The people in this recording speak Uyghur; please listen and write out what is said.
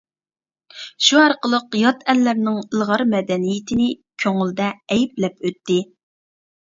شۇ ئارقىلىق يات ئەللەرنىڭ ئىلغار مەدەنىيىتىنى كۆڭلىدە ئەيىبلەپ ئۆتتى.